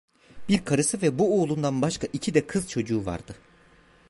Bir karısı ve bu oğlundan başka iki de kız çocuğu vardı.